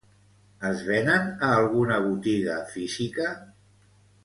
Es venen a alguna botiga física?